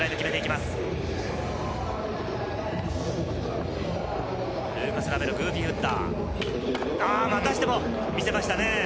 またしても見せましたね。